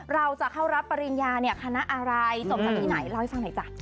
เราจะเข้ารับปริญญาเนี่ยคณะอะไรส่งจากที่ไหนเล่าให้ฟังหน่อยจ้ะ